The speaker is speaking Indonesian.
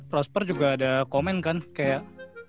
prosper juga ada komen kan kayak